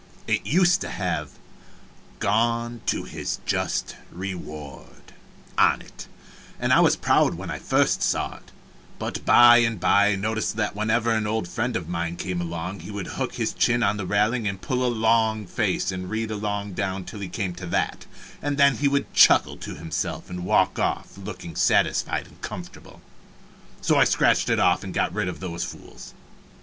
It used to have: 'GONE TO HIS JUST REWARD' on it, and I was proud when I first saw it, but by and by I noticed that whenever an old friend of mine came along he would hook his chin on the railing and pull a long face and read along down till he came to that, and then he would chuckle to himself and walk off, looking satisfied and comfortable. So I scratched it off to get rid of those fools.